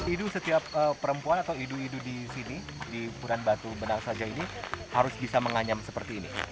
idu setiap perempuan atau idu idu di sini di punan batu benausajaw ini harus bisa menganyam seperti ini